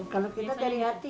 kalau kita dari hati